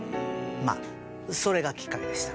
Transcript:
まあそれがきっかけでした。